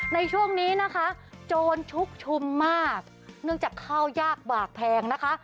ในช่วงนี้นะคะโจรชุกชุมมากเนื่องจากข้าวยากบากแพงนะคะ